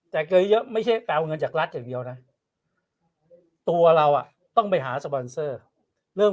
แต่เกินเยอะไม่ใช่ไปเอาเงินจากรัฐอย่างเดียวนะตัวเราต้องไปหาสปอนเซอร์เริ่ม